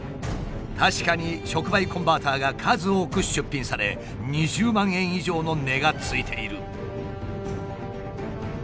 確かに触媒コンバーターが数多く出品され２０万円以上の値がついている。